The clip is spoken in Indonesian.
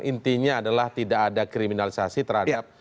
intinya adalah tidak ada kriminalisasi terhadap